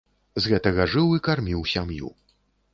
З гэтага жыў і карміў сям'ю.